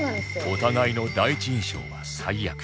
お互いの第一印象は最悪